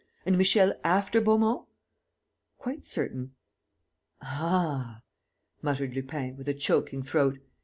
And 'Michel' after 'Beaumont'?" "Quite certain." "Ah!" muttered Lupin, with a choking throat.